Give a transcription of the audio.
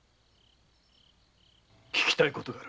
聞きたいことがある。